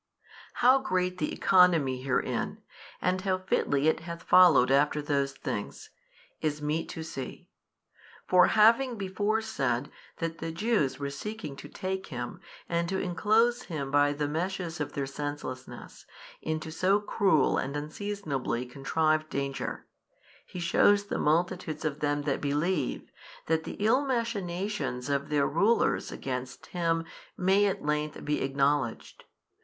How great the economy herein, and how fitly it hath followed after those things, is meet to see. For having before said that the Jews were seeking to take Him and to enclose Him by the meshes of their senselessness, into so cruel and unseasonably contrived danger, he shews the multitudes of them that believe, that the ill machinations of their rulers against Him may at length be acknowledged.